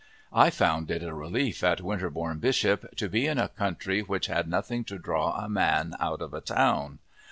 I found it a relief, at Winterbourne Bishop, to be in a country which had nothing to draw a man out of a town.